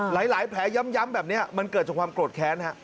แผลย้ำแบบนี้มันเกิดจากความโกรธแค้นฮะ